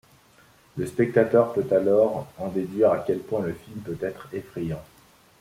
Le spectateur peut alors en déduire à quel point le film peut être effrayant.